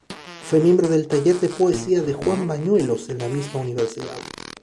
Fue miembro del Taller de Poesía de Juan Bañuelos en la misma Universidad.